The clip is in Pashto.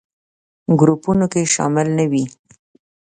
ګروپونو کې شامل نه وي.